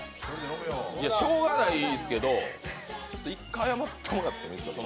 しょうがないっすけど１回、待ってもらっていいですか。